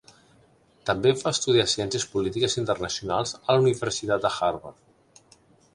També va estudiar ciències polítiques internacionals a la Universitat Harvard.